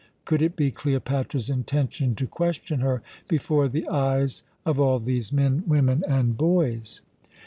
Could it be Cleopatra's intention to question her before the eyes of all these men, women, and boys?